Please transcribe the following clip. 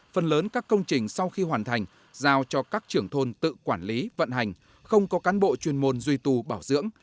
phần lớn các công trình sau khi hoàn thành giao cho các trưởng thôn tự quản lý vận hành không có cán bộ chuyên môn duy tu bảo dưỡng